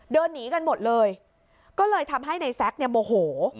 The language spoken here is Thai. เดินหนีกันหมดเลยก็เลยทำให้ในแซ็กเนี่ยโมโห